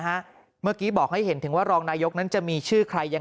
เมื่อกี้บอกให้เห็นถึงว่ารองนายกนั้นจะมีชื่อใครยัง